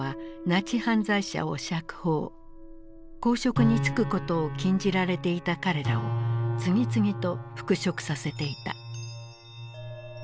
公職に就くことを禁じられていた彼らを次々と復職させていた。